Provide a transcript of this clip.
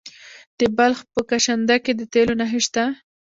د بلخ په کشنده کې د تیلو نښې شته.